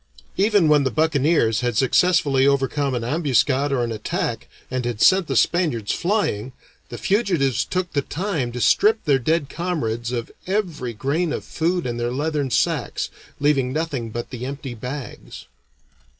Even when the buccaneers had successfully overcome an ambuscade or an attack, and had sent the Spaniards flying, the fugitives took the time to strip their dead comrades of every grain of food in their leathern sacks, leaving nothing but the empty bags.